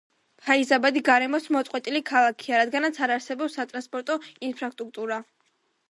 ფაიზაბადი გარემოს მოწყვეტილი ქალაქია რადგანაც არ არსებობს სატრანსპორტო ინფრასტრუქტურა.